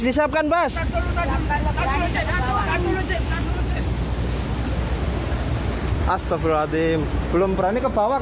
doakan jaya selamat ya allah